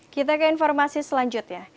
kita ke informasi selanjutnya